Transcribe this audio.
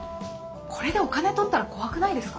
これでお金取ったら怖くないですか！？